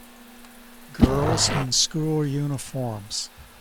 Girls in school uniforms.